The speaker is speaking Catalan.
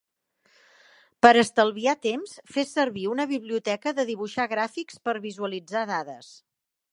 Per estalviar temps, fes servir una biblioteca de dibuixar gràfics per visualitzar dades.